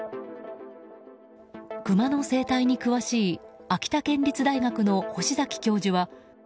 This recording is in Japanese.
クマの生態に詳しい秋田県立大学の星崎教授は。